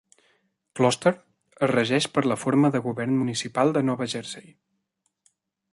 Closter es regeix per la forma de govern municipal de Nova Jersey.